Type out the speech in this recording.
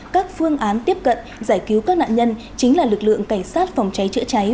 các phương án tiếp cận giải cứu các nạn nhân chính là lực lượng cảnh sát phòng cháy chữa cháy